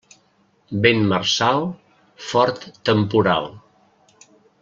Vent marçal, fort temporal.